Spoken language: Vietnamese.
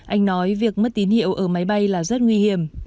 anh nói việc mất tín hiệu ở máy bay là rất nguy hiểm